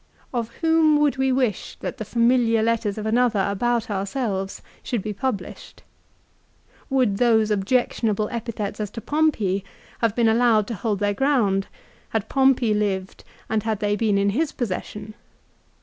Of whom would we wish that the familiar letters of another about ourselves should be published ? Would those objection able epithets as to Pompey have been allowed to hold their ground had Pompey lived and had they been in his possession